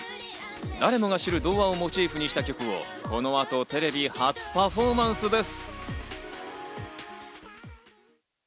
誰もが知る童話をモチーフにした曲をこの後、テレビ初パフォーマンスです！